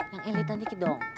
yang elit aja dikit dong